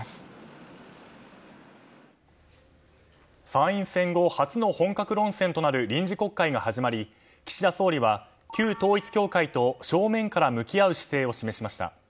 参院選後初の本格論戦となる臨時国会が始まり岸田総理は、旧統一教会と正面から向き合う姿勢を示しました。